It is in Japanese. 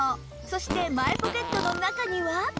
そして前ポケットの中には